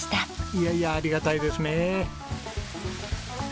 いやいやありがたいですね。